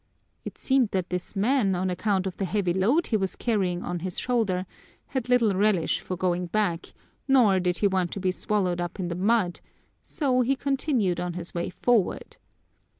It seemed that this man, on account of the heavy load he was carrying on his shoulder, had little relish for going back nor did he want to be swallowed up in the mud, so he continued on his way forward.